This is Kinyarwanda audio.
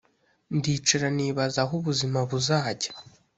ndicara nibaza aho ubuzima buzajya,